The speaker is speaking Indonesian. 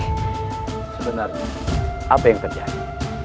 sebenarnya apa yang terjadi